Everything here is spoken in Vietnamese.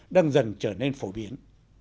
đang dần trở nên phổ biến